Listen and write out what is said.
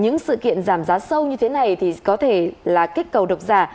những sự kiện giảm giá sâu như thế này thì có thể là kích cầu độc giả